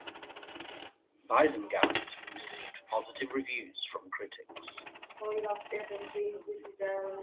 "Bizenghast" received positive reviews from critics.